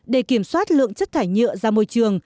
để kiểm soát lượng chất thải nhựa ra môi trường